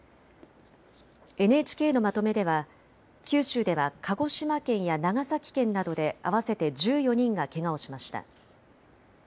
ＮＨＫのまとめでは九州では鹿児島県や長崎県などで合わせて１４人がけがをしました。